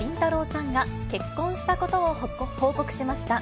さんが、結婚したことを報告しました。